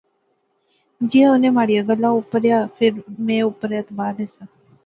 جیاں انیں مہاڑیا گلاہ اپر یا فیر میں اپر اعتبارنہسا